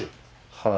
はい。